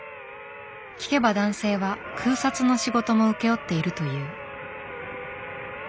聞けば男性は空撮の仕事も請け負っているという。